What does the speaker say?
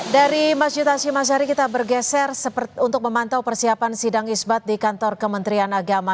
dari masjid hashim ashari kita bergeser untuk memantau persiapan sidang isbat di kantor kementerian agama